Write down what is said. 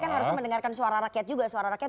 kan harus mendengarkan suara rakyat juga suara rakyat